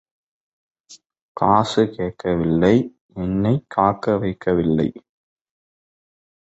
காசு கேட்க வில்லை—என்னைக் காக்க வைக்க வில்லை.